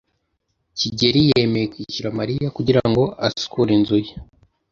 kigeli yemeye kwishyura Mariya kugirango asukure inzu ye.